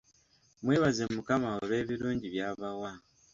Mwebaze mukama olw’ebirungi by’abawa.